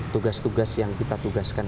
tugas tugas yang kita tugaskan